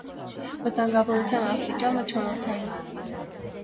Վտանգավորության աստիճանը՝ չորրորդային։